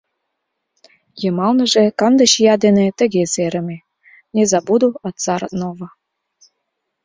Йымалныже канде чия дене тыге серыме: «Не забуду отца родного!»